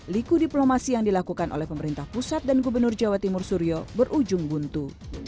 liku diplomasi yang dilakukan oleh pemerintah pusat dan gubernur jawa timur suryo berujung buntu